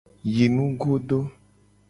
Yi nugodo.